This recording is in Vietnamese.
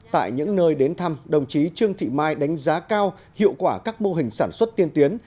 tại những nơi đến thăm đồng chí trương thị mai đánh giá cao hiệu quả các mô hình sản xuất tiên tiến